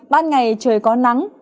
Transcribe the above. ban ngày trời có nắng